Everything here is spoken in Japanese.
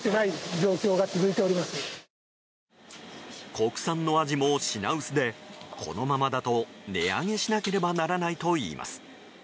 国産のアジも品薄でこのままだと値上げしなければならないといいます。